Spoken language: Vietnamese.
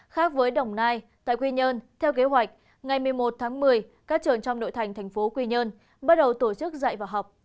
khác với đồng nai tại quy nhơn theo kế hoạch ngày một mươi một tháng một mươi các trường trong nội thành thành phố quy nhơn bắt đầu tổ chức dạy và học